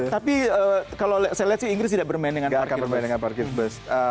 tapi kalau saya lihat sih inggris tidak bermain dengan marketbus